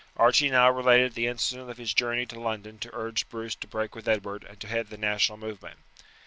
Archie now related the incident of his journey to London to urge Bruce to break with Edward and to head the national movement.